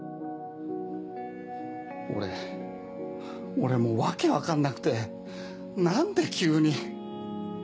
俺もう訳分かんなくて何で急に。